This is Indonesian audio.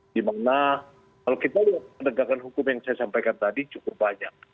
dimana kalau kita lihat penegakan hukum yang saya sampaikan tadi cukup banyak